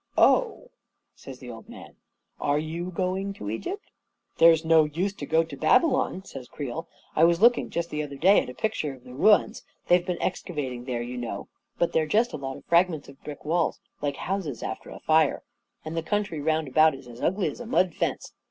Oh," says the old man, " are you going to Egypt?" " There's no use to go to Babylon," says Creel. " I was looking, just the other day, at a picture of the ruins — they've been excavating there, you know — but they're just a lot of fragments of brick walls, L like houses after a fire. And the country round a jout is as ugly as a mud fence."